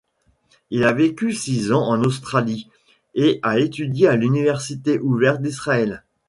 Elle a vécu six ans en Australie et a étudié à l'Université ouverte d'Israël.